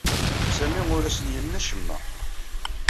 Sami ur asen-yenni acemma.